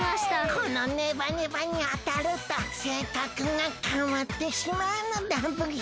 このネバネバにあたるとせいかくがかわってしまうのだブヒ！